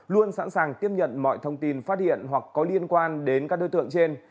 luôn sẵn sàng tiếp nhận mọi thông tin phát hiện hoặc có liên quan đến các đối tượng trên